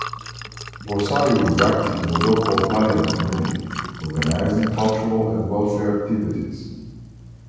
Borsari was active in the local Italian community, organising cultural and welfare activities.